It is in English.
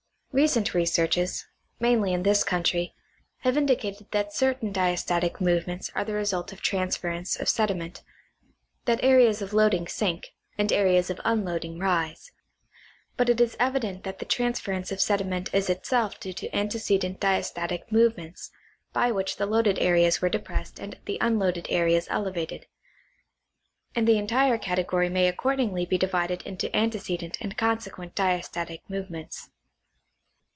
Recent researches, mainly in this country, have indicated that certain diastatic movements are the result of transference of sediment — that areas of loading sink, and ai'eas of unloading rise ; but it is evident that the transference of sediment is itself due to antecedent diastatic movements by which the loaded areas were depressed and the unloaded areas elevated; and the entire cate gory may accordingly be divided into antecedent and consequent diastatic movements.